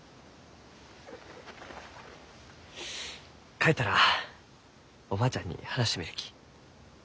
帰ったらおばあちゃんに話してみるき。